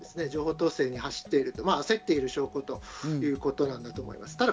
情報統制に走っている、焦っている証拠ということなんだと思います。